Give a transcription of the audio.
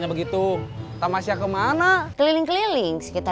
beritah avon udah siap